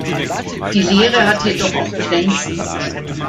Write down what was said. Die Lehre hat jedoch auch Grenzen.